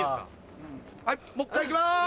もう一回いきます！